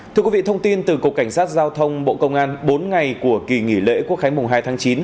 thưa quý vị thông tin từ cục cảnh sát giao thông bộ công an bốn ngày của kỳ nghỉ lễ quốc khánh mùng hai tháng chín